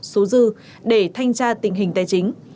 số dư để thanh tra tình hình tài chính